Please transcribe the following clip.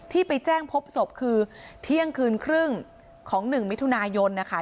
ไปแจ้งพบศพคือเที่ยงคืนครึ่งของ๑มิถุนายนนะคะ